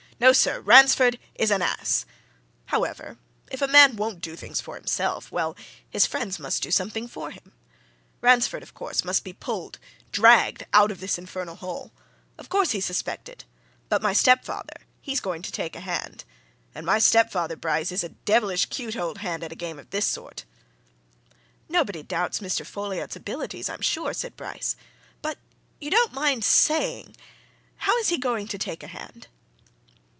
"No, sir, Ransford is an ass! However, if a man won't do things for himself, well, his friends must do something for him. Ransford, of course, must be pulled dragged! out of this infernal hole. Of course he's suspected! But my stepfather he's going to take a hand. And my stepfather, Bryce, is a devilish cute old hand at a game of this sort!" "Nobody doubts Mr. Folliot's abilities, I'm sure," said Bryce. "But you don't mind saying how is he going to take a hand?"